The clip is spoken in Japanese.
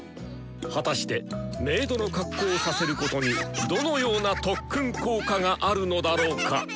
果たして給仕の格好をさせることにどのような特訓効果があるのだろうか！